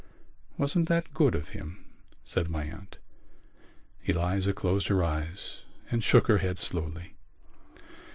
"Wasn't that good of him?" said my aunt. Eliza closed her eyes and shook her head slowly.